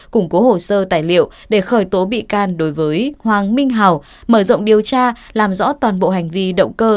củng cố hồ sơ tài liệu để khởi tố bị can đối với hoàng minh hào mở rộng điều tra làm rõ toàn bộ hành vi động cơ